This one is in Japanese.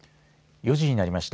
４時になりました。